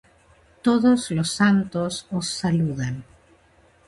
Todos los santos os saludan.